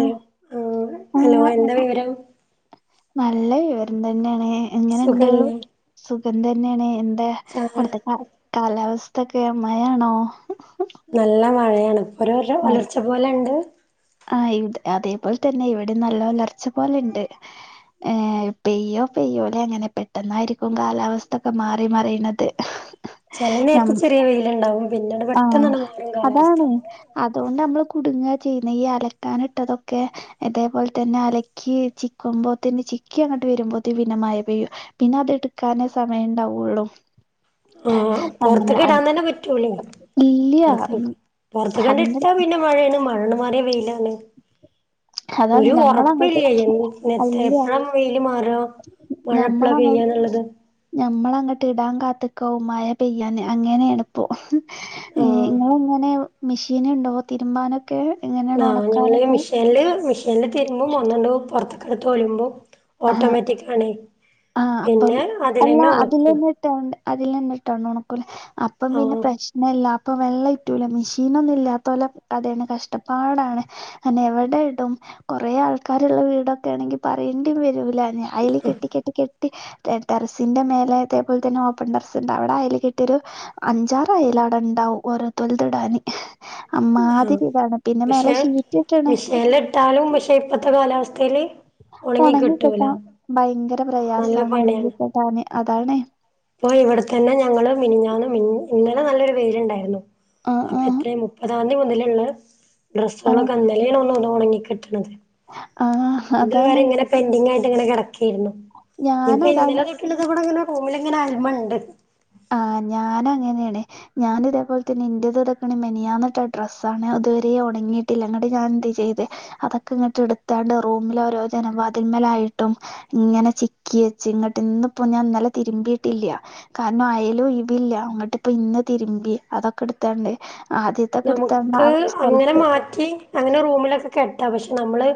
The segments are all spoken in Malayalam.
ഉം ഊ ഹലോ.. ആഹ് എന്താ വിവരം. നല്ല വിവരംതന്നെണ് എങ്ങനെണ്ട് സുഖല്ലേ സുഖം തെന്നെണ് എൻ നെ ചാ അവ്ട്ത്ത കാലാവസ്ഥക്കെ മഴയാണോ. നല്ല മഴയാണ് ഇപ്പെരെലർച്ച പോലണ്ട്. ആ ഇത് അതെപേൽതന്നെ ഇവടിം നല്ല ഒലർച്ചെപോലണ്ട്. ഏ പെയ്യോ പെയ്യൂലെ ങ്ങനെ പെട്ടെന്നായിരിക്കും കാലാവസ്ഥക്കെ മാറി മറിണത്. ചെല നേര്ത്ത് ചെറിയ വെയിലുണ്ടാവും പിന്നണ്ട് പെട്ടെന്നാണ്ട് മാറും കാലാവസ്ഥ. അതേണ്ടമ്മള് കുടുങ്ങാ ചെയ് ന്ന ഈ അലക്കാനിട്ടതൊക്കെ അതേ പോൽതന്നെ അലക്കി ചിക്കുമ്പേതിന് ചി ക്കൃങ്ങട്ട് വരുമ്പോതിന് പിന്നമയപെയ്യും പിന്നെ അത് എടുക്കാനേസമയണ്ടാവെള്ളു. ഉം പെർത്ക്ക് ഇടാൻതന്നെ പറ്റൂലെ. ഇല്ല്യ. പെർത്ത് ഉം അതിന്റെ പെർത്ക്ക്ങ്ങ്ട്ടാ പിന്നെ മഴയാണ് മഴാണ്ട് മാറിയാ വെയിലാണ്. അതാണ് ഞമ്മളങ്ങട്ട് ഒരുഒർപ്പില്ലെ എൻ അല്ല എപ്പളാ വെയില് മാറ? മഴപ്പ്ലവ പെയ്യാനുള്ളത് ഞമ്മളങ്ങോട്ട് ഇടാൻ കാത്തക്കാവ മമായ പെയ്യൻെ അങ്ങനെയാണ് ഇപ്പോ ആ ഏ ഇങ്ങള് എങ്ങനെ മെഷീന്ണ്ടോ തിരുമ്പാനൊക്കെ എങ്ങനേണ് ആ ഞങ്ങള് ഒണക്കാനൊക്കെ? മിഷീനില് മെഷീനില് തിരുമ്പും ഒന്നട്ട് പൊറത്തക്കെടുത്ത് ഒല്മ്പും ആഹ് ഓട്ടോമാറ്റിക് ആണ് പിന്നെ അതിലന്നെ ഒണക്കും ണ്ട് അതിൽന്നിട്ടോണ്ട് ഉണക്കൂല അപ്പം പിന്നെ ആഹ് പ്രശ്നല്ല ഇപ്പൊ വെള്ളം ഇറ്റുല മെഷീനൊന്നും ഇല്ലാത്തോലം കതാണ് കഷ്ടപ്പാടാണ് അന്നെ എവിടെ ഇടും കൊറെ ആൾക്കാരുള്ള വീടൊക്കെ ആണെങ്കിൽ പറയേണ്ടി വരൂല അയില് കെട്ടിക്കട്ട ടെറിസിന്റെ മേലെ അതേപോലെ തന്നെ ഓപ്പൺ ടെറസ്ണ്ട് അവിടെ അയല് കെട്ടിയൊരു അഞ്ചാറ അയലാട ണ്ടാവും ഓരോര്ത്തര്ത് ഇടാന് ആഹ് അമ്മാതിരിതാണ് പിന്നെ മേലെ ഷീറ്റിട്ട്ണ് താലും മിഷേ ഇപ്പത്തെ കാലാവസ്ഥല് ഒണങ്ങിക്കെട്ടാ ഭയങ്കര നല്ല പ്രയാസാണ് പണിയാണ് ഉണങ്ങിക്കെട്ടാന് അതാണ് ഇപ്പൊ ഇവിടെ തന്നെ ഞങ്ങള് മിനിഞ്ഞന്ന് മി ഇന്നലെ നല്ലൊരു വെയിലുണ്ടർന്നു ആ ആ എത്രയ മുപ്പതാംതീ മുതല്ള്ള ആഹ് ഡ്രസ്സോളക്കെ ഇന്നലാണ് ഒന്ന ഒന്ന് ഒണങ്ങി കിട്ടണത് ആ! ഇത് അതാണ്. വരെ ഇങ്ങനെ പെൻഡിങ് ആയിട്ട് ഇങ്ങനെ കെടക്കായിരുന്നു ഇപ്പോ ഞാനതാണ് ഇന്നലെ പിന്നത് വടെ ഇങ്ങനെ പോല് ഇങ്ങനെ അയല്മണ്ട് ആ ഞാനങ്ങനെയാണ് ഞാൻ ഇതേപോലെതന്നെ ഇൻ്റത് ഇതക്ക്ണ് മെനിയാന്നിട്ട ഡ്രസ്സാണ് ഇത് വരെ ഒണങ്ങിയിട്ടില്ല ന്നട്ട് ഞാൻ എന്ത് ചെയ്ത് അതൊക്കെ ഇങ്ങട്ട് ട്ത്താണ്ട് റൂമിലെ ഓരോ ജനവാതിന്മലായിട്ടും ഇങ്ങനെ ചിക്കി വെച്ച് ഇങ്ങട്ട് ഇന്ന് പോ ഞാൻ ന്നലെ തിരുമ്പിയിട്ടില്ലാ അയല് ഒഴിവില്ല ന്നട്ട് ഇപ്പ ഇന്ന് തിരുമ്പി അതൊക്കെ ടുത്താണ്ട് ആദ്യ നമുക്ക് അങ്ങനെ മാറ്റ ഇക്കി അങ്ങനെ റൂമിലൊക്കെ കെട്ട പക്ഷെ നമ്മള്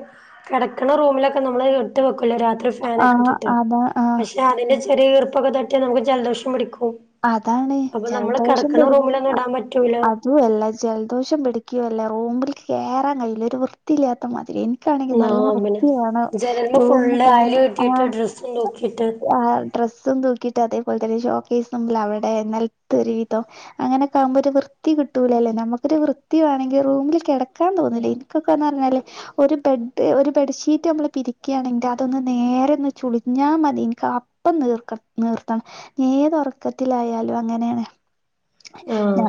കെടക്കണ റൂമിലൊക്കെ നമ്മള് ഇട്ട് വെക്കുലെ രാ [unintelligible] ആ ഫാനൊക്കെ ഇട്ടിട്ട് അതാ ആ പക്ഷെ അതിന്റെ ചെറിയ ഈർപ്പൊക്കെ തട്ടിയ നമുക്ക് ജലദോഷം പിടിക്കും അതാണ് അപ്പൊ നമ്മള് കെടക്കണ റൂമിലൊന്നും ഇടാൻ പറ്റൂല അതും അല്ല ജലദോഷം പിടിക്കുവല്ല റൂമിൽക്ക് കേറാൻ കഴിയൂല ഒരു വൃത്തിയില്ലാത്ത മാതിരേനി ഇക്കാണങ്കി ന്നാ നല്ല പിന്നെ വൃത്തിവേണം ജനൽമെ റൂമ് ഫുള്ള് അയല് കാണാൻ കെട്ടിയിട്ട് ഡ്രസ്സും തൂക്കിയിട്ട് [unintelligible] ഡ്രസ്സും തൂക്കിയിട്ട് അതേപോലെ തന്നെ ഷോക്കേസ ഒന്നല്ല അവടെ നെലത്ത് ഒരു വിതം അങ്ങനൊക്കെ ആകുമ്പോഒരു വൃത്തി കിട്ടൂല അല്ലേ നമുക്കൊരു വൃത്തി വേണങ്കി റൂമില് കെടക്കാൻ തോന്നൂല്ലനി ഇക്കൊക്കെ ന്നറഞ്ഞാല് ഒരു ബെഡ് ഒരു ബെഡ്ഷീറ്റ് അമ്മള് പിരിക്കാണെങ്കിൽ അതൊന്ന് നേരെ ഒന്ന് ചുളിഞ്ഞാ മതി ഇൻക്ക ഇപ്പം നീർക്കണം നീർത്തണം ഏത് ഉറക്കത്തിലായാലും അങ്ങനെണ് ആഹ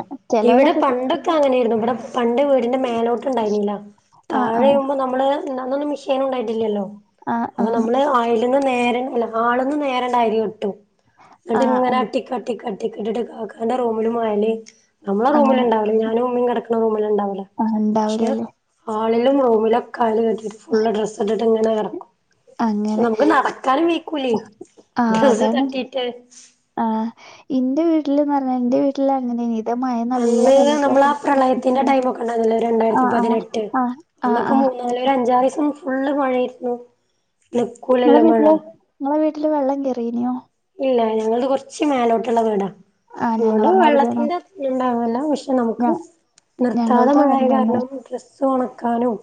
ഇവിടെ പണ്ടൊക്കെ അങ്ങനെയായിരുന്നു ഇവിടെ പണ്ട് വീടിന്റെ മേലോട്ട് ഉണ്ടായിന്നില്ല ആ ആ താഴെയുമ്പോ നമ്മള് അന്നൊന്നും മിഷീനും ണ്ടായിട്ടില്ലല്ലോ ആ ആ അപ്പൊ നമ്മള് ആ [unintelligible] നേരെ അല്ല ഹാളിന്ന് നേരെങ്ങട്ട് അയല് കെട്ടും ആ ന്നട്ട് ഇങ്ങനെ അൻ അട്ടിക്കട്ടി അട്ടിക്കട്ടിക്ക് ഇട്ടിട്ട് കാക്കാൻ്റെ റൂമിലും അയല് നമ്മല് ആഹ അളിഞ്ഞാനും ഉമ്മി കെടക്കണ റൂമിലുണ്ടാവുല ആഹ ണ്ടാവൂലലെ ഹാളിലും റൂമിലൊക്കെ അയല് കെട്ടിട്ട് ഫുള്ള് ഡ്രസ്സ് ഇട്ടിട്ട് ഇങ്ങനെ കറക്കും അങ്ങനെ. നമ്ക്ക് നടക്കാനും വീയ്ക്കൂലേ ഡ്രസ്സ് തട്ടീട്ട് ആഹ് ഇന്റെ വീട്ടില്ന്നർഞ്ഞാ ഇന്റെ വീട്ടില് അങ്ങെനേ അന്ന് നമ്മളാ പ്രളയത്തിന്റെ ഉം ടൈമാെക്കെ ണ്ടായ്ര്ന്നില്ലേ ആ രണ്ടായ്രത്തി ആ പതിനെട്ട് ആ ആ അന്നൊക്കെ ആ മു ന്നല്ല ഒരഞ്ചാറീസം ഫുള്ള് മഴേയ്ര്ന്നു ങ്ങളെ വീട്ടില് നങ്ങളെ വീട്ടില് വെള്ളം കേറീന്യോ ഇല്ല ഞങ്ങൾത് കൊർച്ച് മേലോട്ട്ള്ള വീടാ ആ ഇങ്ങോട്ട് ഞങ്ങളെ മാതിരിയാണ്. വെള്ളത്തിന്റെ ണ്ടാവൂലാ പഷ് ഞ നമുക്ക് നിർത്താതെ ഞങ്ങൾതും അങ്ങൻ മഴേയ തന്നെ. കാരണം ഡ്രസ്സ് ഒണക്കാനും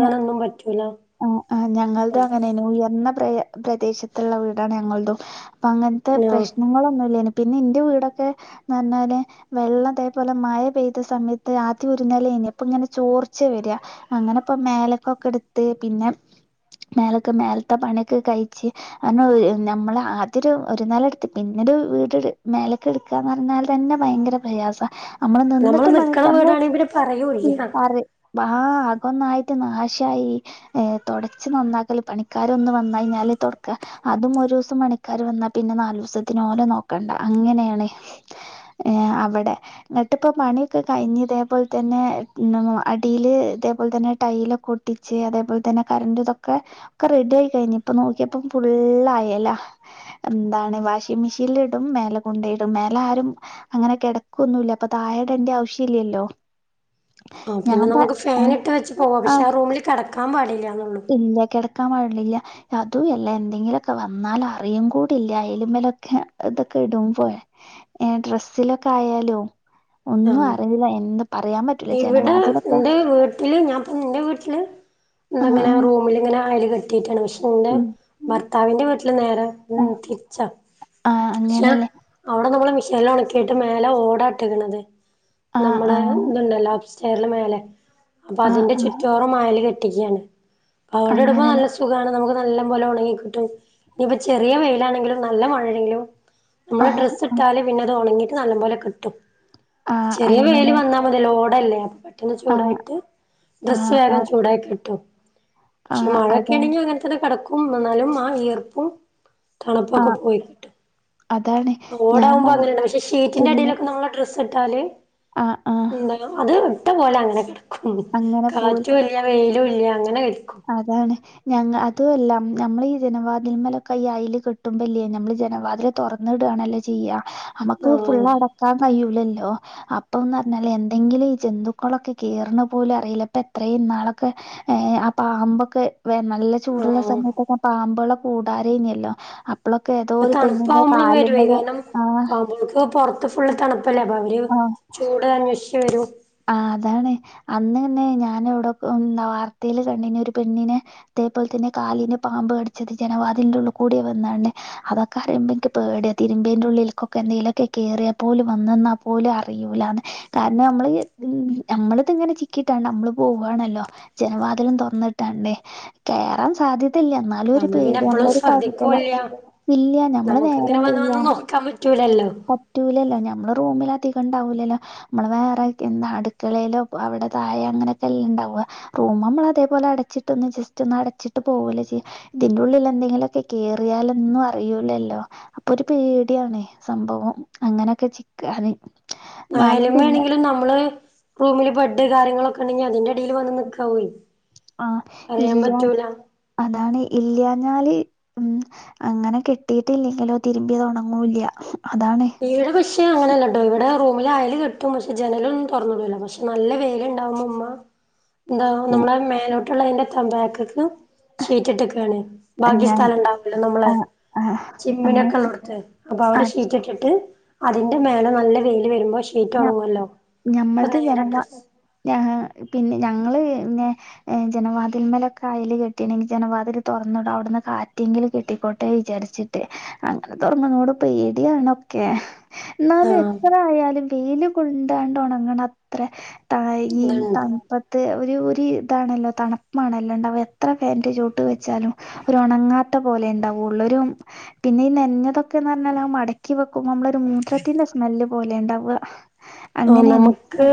ഞ പറ്റൂലാ ആഹ് ആഹ് ഞങ്ങൾതും അങ്ങനേനി ഉയർന്ന പ്രയ പ്രദേശത്ത്ള്ള വീടാണ് ഞങ്ങൾതും പ്പ അങ്ങൻത്തെ ആ പ്രശ്നങ്ങളൊന്നുംല്ലേനി പിന്നെ ഇന്റെ വീടൊക്കെ ന്നർഞ്ഞാല് വെള്ളം തേ പോലെ മഴ പെയ്ത സമയത്ത് ആദ്യം ഒരു നെലേനി അപ്പാെങ്ങെനെ ചോർച്ച വെരാ അങ്ങനെപ്പം മേലെക്കൊക്കെട്ത്ത് പിന്നെ മേലക്ക് മേൽത്തെ പണ്യൊക്കെ കയ്ച്ച് കാരണം നമ്മള് ആദ്യാെരു ഒര് നെലട്ത്ത് പിന്നൊരു വീട് മേലെക്ക് ട് ക്കാന്നർഞാൽ തന്നെ ഭയെങ്കെര പ്രയാസാ അമ്മള് നമ്മള് നിന്ന്ട്ട് നിക്കണ പണിയെടുക്ക നമ്മള് വീടാണെങ്കി പിന്നെ പറയൂല്ല [unintelligible] വഹാ അ കൊന്നായ്ട്ട് നാശായി ഏന് തൊടച്ച് നന്നാക്കലെ പണിക്കാരൊന്ന് വന്നയ്ഞ്ഞാല് തൊട്ക്കാ അതും ഒരൂസം പണിക്കാര് വന്നാ പിന്നെ നാലൂസത്തിന് ഓലെ നോക്കണ്ട അങ്ങെനേണ് ഏഹ് അവടെ ന്നട്ട്പ്പം പണ്യൊക്കെ കയ്ഞ്ഞ് തേ പോൽ തന്നെ [unintelligible] അടീല് തേ പോൽ തന്നെ ടൈലാെക്കെ ഒ പിച്ചേ അതേ പോയ് തന്നെ കരണ്ട് തൊക്കെ ഒക്കെ റെഡി ആയി കഴിഞ്ഞ് ഇപ്പം നോക്കിയപ്പം ഫുള്ളയലാ എന്താണ് വാഷിംഗ്‌ മിഷീൻല് ഇടും മേലെ കൊണ്ടാേയ്ടും മേലെ ആരും അങ്ങെനെ കെടെക്കൊന്നും ഇല്ല അപ്പാെ താഴെ ഇടെണ്ട്യെ ആവശ്യല്ല്യല്ലോ ആഹ് പിന്നെ നമുക്ക് ഫാനിട്ട് വെച്ച് പോവാം ആഹ്. പക്ഷെ ആ റൂമില് കെടക്കാൻ പാടില്ലായെന്നാെള്ളു ഇല്ല കെടെക്കാൻ പാടില്ല്യാ അതും എല്ല എന്തെങ്കിലൊക്കെ വന്നാൽ അറിയും കൂടില്ല അയല്മലൊക്കെ ഇതൊക്കെ ഇടുമ്പെ ഏഹ് ഡ്രെസ്സിലൊക്കെ ആയാലും ഒന്നും ആ അറീലാ എൻ പറയാൻ പറ്റൂല ജനവാദിലൊക്കെ ഇല്ല ഞാൻപ്പോ ഇന്റെ വീട്ട്ല് ആഹ് എന്ത്ങ്ങെനെ ആഹ് റൂമില്ങ്ങെനെ അയല് കെട്ടീക്കാണ് പക്ഷെ ന്റെ ഉം ഉം ഭർത്താവിന്റെ വീട്ടില് നേരെ ഉം ആഹ് തിരിച്ചാ ആഹ് പക്ഷാ അങ്ങനെല്ലേ. അവടെ നമ്മള് മെഷേൻല് അലക്കിയിട്ട് മേലെ ഓടാ ഇട്ട്ക്ക്ണത്‌ ആഹ് നമ്മടെ ആഹ് ത്ണ്ടല്ലോ അപ്സ് ചെര്ല് മേലെ അപ്പോ ആഹ് അതിന്റെ ആഹ് ചുറ്റോറം മായല് കെട്ടിക്ക്യാണ് അതോണ്ട് അവിടെപ്പോ അങ്ങനെല്ലേ. നല്ല സു സുഖാണ് നമുക്ക് നല്ലം പോലെ ഒണെങ്ങി കിട്ടും ഇനിയിപ്പം ചെറിയ വെയ്ലാണെങ്കിലും നല്ല മഴേണെങ്കിലും നമ്മള് ആഹ് ആഹ് ഡ്രസ്സ്ട്ടാല് പിന്നെ അത് ഒണെങ്ങീട്ട് നല്ലം പോലെ ക് ആഹ് ചെറിയ വെയില് അങ്ങനെ വന്നാ മതി റോഡല്ലേ അ ഒന്ന് ആഹ് ചൂടായിട്ട് ഡ്രസ്സ് ആഹ് വേഗം ആഹ് ചൂടായി കിട്ടും പക്ഷെ ആഹ് അതാണ് മഴക്കേണെങ്കി [unintelligible] [unintelligible] കടക്കും എന്നാലും ആ വിയർപ്പും തണുപ്പൊക്കെ ആഹ് പോയി കിട്ടും അതാണ് ഞാൻ പ ഓടാകുമ്പോ അങ്ങനെണ്ട് പക്ഷെ ഷീറ്റിന്റെ ഇല്ല അടീലൊക്കെ നമ്മള് ഡ്രസ്സ്ട്ടാല് ആഹ് അഹ് എന്തായാലും അത് ഇട്ട പോലെ അങ്ങെനെ കെടെക്കും അങ്ങനെ പോയി കാറ്റൂല്ല വെയിലും ഇല്ല്യാ അങ്ങെനെ കെട്ക്കും അതാണ് ഞങ്ങ അതു അല്ലാ നമ്മള് ഈ ജനവാതിൽമലൊക്കെ ഈ അയില് കെട്ടുമ്പല്ലേ ഞമ്മള് ജനവാത്‌ല് തൊർന്ന്ടാണല്ലാെ ചെയ്യാ അമ്മക്ക് ആഹ് ഫുള്ള് അടക്കാൻ കയ്യൂലല്ലോ അപ്പോന്നർഞ്ഞാല് എന്തെങ്കിലും ഈ ജന്തുക്കളൊക്കെ കേറ്ണ് പോലും അറിയില്ല പ്പെത്രേ ഇന്നാളൊക്കെ ഏഹ് അ ആഹ് മ്പൊക്കെ വെ നല്ല ചൂടുള്ള ആഹ് സമയത്തൊക്കെ പാമ്പ്കളെ കൂടാരേയ്ന്യല്ലോ അ പ്പാെ തണ്പ്പാവുമ്പളും വര്വേ കാര്ണം ആഹ് പാമ്പ്കൾക്ക് പാെർ ത്ത് ഫുള്ള് തണ്പ്പല്ലെ അപ്പോ അവര് ആ ചൂട് അന്വേഷിച്ച്‌ വെരും ആഹ് അതാണ് അന്നന്നെ ഞാനൊവ്ടെ ഉം വാർത്തേല് കണ്ടീനി ഒര് പെണ്ണിനെ തേ പോൽ തന്നെ കാലിന് പാമ്പ് കടിച്ചത് ജനവാദിൽന്റെ ഉള്ള് കൂടി വന്നാണ്ട് അതൊക്കെ അറിയുമ്പോ എനിക്ക് പേടിയ തിരുമ്പീന്റെ ഉള്ളീൽക്കൊക്കെ എന്തെയിലൊക്കെ കേയറിയ പോലും വന്ന് ന്ന പോലും അറയൂലാന്ന് കാരണം നമ്മള് നമ്മളിത് ഇങ്ങനെ ചിക്കിട്ടാണ് നമ്മള് പോവാണല്ലോ ജനവാതിലും തുറന്നിട്ടാണ്ട് കേറാൻ സാധ്യതല്ല എന്നാലും ഒരു നമ്മള് പിന്നെ പേടി നമ്മളൊ എപ്പളും ഒരു കാരുതലാ ശ്രദ്ധിക്കൂല്ല ഇല്ല നഞമ്മള് നമുക്കിങ്ങനെ വന്ന് നേരെന്ത്യ്യ വന്ന് നോക്കാൻ പറ്റൂലല്ലോ പറ്റൂലല്ലോ നമ്മള് റൂമിലധക്കണ്ടാവില്ലല്ലോ നമ്മൾ വേറെ ഇന്ന അടുക്കളേലോ അവിടെ താഴെ അങ്ങനൊക്കല്ലെ ണ്ടാവുക റൂം മമ്മളതേപോലെ അടച്ചിട്ടൊന്ന് ജസ്റ്റ് ഒന്ന് അടച്ചിട്ട് പോവൂലേ ചെ തിന്റുള്ളിൽ എന്തെങ്കിലൊക്കെ കേയറിയാലൊന്നും അറിയൂലല്ലോ അപ്പൊര് പേട്യാണ് സംഭവം അങ്ങനൊക്കെ ചിക്കാന് എന്നാലും പിന്നെ ആയ്ല്മ്മേണങ്കിലും നമ്മള് റൂമില് ബെഡ് കാര്യങ്ങളൊക്കെ ണ്ടെങ്കി അതിന്റടീല് വന്ന് നിക്കാവുഎ ആ ഇല്ല്യ അതാണെ ഇല്ല്യാഞ്ഞാല് ഉം അങ്ങനെ കെട്ടീട്ടില്ലെങ്കിലോ തിരുമ്പ്യതൊണങ്ങൂല്ല്യ അതാണെ ഈടെ പക്ഷെ അങ്ങനല്ലട്ടോ ഇവിടെ റൂമില യൽ കെട്ടും പക്ഷെ ജനലൊന്നും തൊർന്ന്ടൂല പക്ഷെ നല്ല വെയില്ണ്ടാവുമ്പോ മ്മ താവു ഉം, നമ്മളെ മേലോട്ട്ള്ളതിന്റെ തമ്പാക്ക്ക്ക് ഷീറ്റിട്ടക്കാണ് ബാക്കി ഞാൻ സ്ഥലംണ്ടാവുല്ലോ ആ നമ്മളെ ആ അങ്ങനെ ചിമ്മിണ്യോക്കെള്ളോട്ത്ത് ആ അപ്പവിടെ ഷീറ്റിട്ടില ട്ട് അതിന്റെ മേലെ നല്ല വെയില് വരുമ്പോ ഞ- ഷീറ്റൊണങ്ങല്ലോ അത് നേരെ ഡ്രസ് ഞ പിന്നെ ഞങ്ങള് ന്നെ എ ജനവാതിൽമലൊക്കെ അയൽ കെട്ടീണെങ്കി ജനവാതിൽ തൊർന്ന്ടും ഔട്ന്ന് കാറ്റെങ്കിലും കിട്ടിക്കോട്ടെ വിചാർച് ട്ട് അങ്ങൻ തൊർന്ന്ണോട് പേട്യാണൊക്കെ ന്നാലു ആഹ് എത്രായാലും വെയിൽ കൊണ്ടാണ്ടൊണങ്ങണ ത്ര തായിം ത എന്താണ് പ്പത്തെ ഒരു ഒര് താണല്ലോ തണ്പ്പാണല്ലോ ണ്ടാവ എത്ര ഫേന്റെ ചോട്ട് വെച്ചാലും ഒരൊണങ്ങാത്ത പോലെ ണ്ടാവൊള്ളൂ ഒരു പിന്നെ ഈ നെൻഞതൊക്കെന്നർഞാലാ മടക്കി വെക്കുമ്പോ മ്മളൊര് മൂത്രത്തിന്റെ സ്മെല്ല് പോലെ ണ്ടാവ ആ നമക്ക്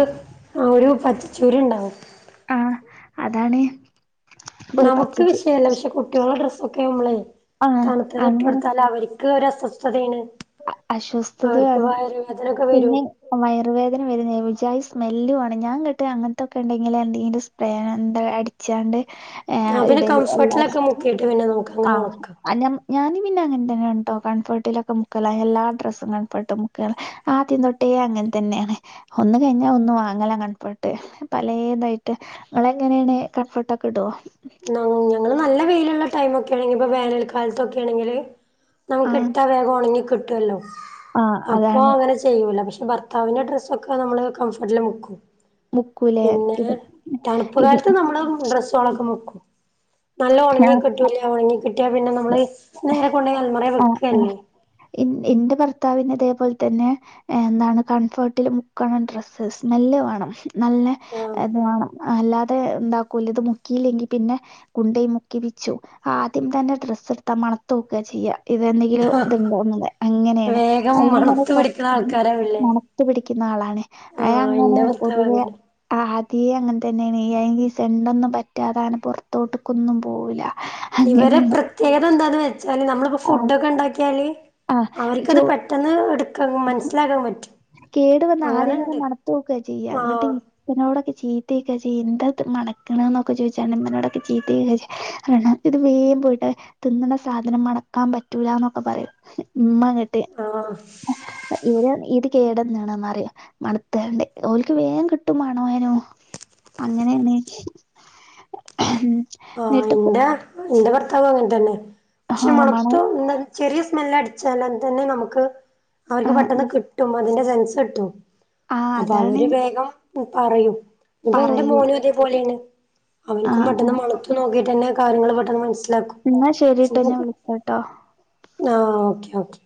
ആ ഒരു പച്ചചൂര്ണ്ടാവും ആഹ് അതാണ് ഒരു നമുക്ക് പച്ചച്ച് വിഷയല്ല പക്ഷെ കുട്ട്യാളെ ഡ്രസ്സൊക്കെ യമ്മളെ ആഹ് തണുത്തത് അങ്ങനെ ഇട്ടൊട്ത്താല് അവര് ക്ക് ഒരസ്വസ്ഥതതേണ് അ അശ്വസ്ഥകാണും വരും പിന്നെ വയറുവേദന വരുന്നെ ഒര്ജായി സ്മെല്ലു ആണ് ഞാൻ കേട്ടെ അങ്ങൻത്തൊക്കെ ണ്ടെങ്കിൽ എന്തെങ്കിലും പേന ന്താ അടിച്ചാണ്ട് ഏഹ് ആ പിന്നെ ഇടല് അല്ലാതെ കംഫർട്ടിലൊക്കെ മുക്കിയിട്ട് പിന്നെ നോക്ക് ആഹ് അൻ ഞാനും പിന്നങ്ങൻ തന്നേണ് ട്ടോ കൺഫേട്ട്ലൊക്കെ മുക്കല എല്ലാ ഡ്രസ്സും കൺഫേട്ട് മുക്കല ആദ്യം തൊട്ടേ അങ്ങൻ തന്നേണ് ഒന്ന് കഴിഞ്ഞാ ഒന്ന് വാങ്ങല കൺഫേർട്ട് പലേതായിട്ട് ങ്ങളെങ്ങനേണ് കംഫർട്ടൊക്കെ ടോ നങ് ഞങ്ങൾ നല്ല വെയ് ള്ള ടൈമൊക്കേണെങ്കിൽ പ്പ വേനൽക്കാൽത്തൊക്കേണെങ്കില് ആഹ് നമ്മക്ക്ട്ടാ വേഗൊണങ്ങി കിട്ട്വല്ലോ ആഹ് അപ്പൊ അതാണ് അങ്ങ നെ ചെയ്യൂല പക്ഷെ ഭർത്താവിന്റെ ഡ്രസ്സൊക്കെ നമ്മള് കംഫർട്ടിൽ മുക്കും മുക്കൂലേ പിന്നെ ഇത് തണുപ്പ് ഇത് കാൽത്ത് നമ്മള ഡ്രെസ്സ റ്റോളൊക്കെമുക്കും നല്ല ഒണങ്ങി ഞാൻ ഇല്ല്യ ഒണങ്ങി കിട്ട്യാ പിന്നെ നമ്മള് നേരെ കൊണ്ടോയി അൽമറെ വെക്കല്ലേ ഇൻ ഇന്റെ ഭർത്താവിന് അതേപോൽ തന്നെ എന്താണ് കംഫേട്ടിൽ മുക്കണം ഡ്രസ്സ് സ്മെല്ല് വാണം നല്ല ആഹ് എന്തുവേണം അല്ലാതെ ന്താക്കൂല ത് മുക്കീല്ലെങ്കി പിന്നെ കുണ്ടൈ മുക്കിപിച്ചും ആദ്യം തന്നെ ഡ്രസ്സ്ട്ത്താ മണത്തോക്ക ചെയ്യ ഇതെന്തെങ്കിലും ഇത്ണ്ടോന്ന് അങ്ങനേണ്. വേഗം അയിനിങ്ങനെ മണത്ത് കൊറച്ച് പിടിക്കണ ആൾക്കാരാവില്ലേ മണത്തു പിടിക്കുന്ന ആളാണ് അയ് ആഹ് ഇന്റെ അങ്ങനേണ് ഭർത്താവ് പൊതുവെ അങ്ങനെ ആദ്യേ അങ്ങനെ തന്നേണ് ഈ അയ്നീ സെന്റൊന്നും പറ്റാതാണ് പൊറത്തോട്ട്ക്കൊന്നും പോവൂല. ഇവരെ അങ്ങനെയാണ് പ്രത്യേകത എന്താന്ന് വെച്ചാല് നമ്മളിപ്പോ ആഹ് ഫുഡൊക്കെ ഒണ്ടാക്ക്യാല് ആഹ് ചോ അവർക്കത് പെട്ടെന്ന് എടുക്കാ മനസ്സിലാക്കാൻ പറ്റും കേട് വന്നാ ആദ്യം തന്നെ അങ്ങനെണ്ട് മണത്തോക്കുവാ ചെയ്യാ അങ്ങട്ട് ആഹ് അനോടൊക്കെ ചീത്തയിക്കാ ചെയ്യാ എന്താ ഇത്ര മണക്കണ് എന്നൊക്കെ ചോദിച്ചാ മനോടൊക്കെ ചീത്തയായി എന്ന് ചോയിച്ചാ ഇത് വേഗം പോയിട്ട് തിന്നുന്ന സാധനം മണക്കാൻ പറ്റൂല എന്നൊക്കെ പറയും ഇമ്മാങ്ങാട്ട് ആഹ് ഇത് കേടുവന്ന ആണെന്നറിയാം മണത്തോണ്ട് ഓല്ക്ക് വേഗം കിട്ടും മണം അയിനു അങ്ങനെയാണ് ആഹ് എന്നിട്ട് എന്റെ എന്റെ ഭർത്താവ് അങ്ങനെ തന്നെ ആ പക്ഷെ മണം മണത്തു ചെറിയ സ്മെല്ല് അടിച്ചാല് തന്നെ നമുക്ക് ആ അവർക്ക് പെട്ടെന്ന് കിട്ടും അതിന്റെ സെൻസ് കിട്ടും ആ അപ്പൊ അതാണ് അവര് വേഗം പറയും ഇപ്പൊ എന്റെ പറയും മോനും ഇതേപോലെയാണ് ആ അവനക്കും പെട്ടന്ന് മണുത്തു നോക്കിട്ട്തന്നെ കാര്യങ്ങൾ പെട്ടെന്ന് മനസ്സിലാക്കും എന്നാ ശെരീട്ടോ ഞാൻ പിന്നെ വിളിക്കാട്ടോ ആഹ് ഓക്കെ ഓക്കെ